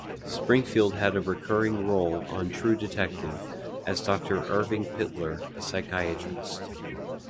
Springfield had a recurring role on "True Detective" as Doctor Irving Pitlor, a psychiatrist.